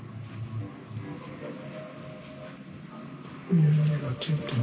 目やにがついてる。